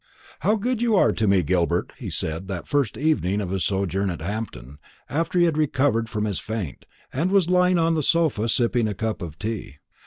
"How good you are to me, Gilbert!" he said, that first evening of his sojourn at Hampton, after he had recovered from his faint, and was lying on the sofa sipping a cup of tea.